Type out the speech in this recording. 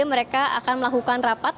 mereka akan melakukan rapat